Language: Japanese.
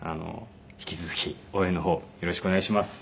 引き続き応援の方よろしくお願いします。